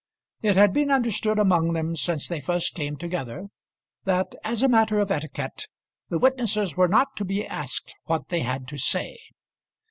It had been understood among them since they first came together, that as a matter of etiquette the witnesses were not to be asked what they had to say.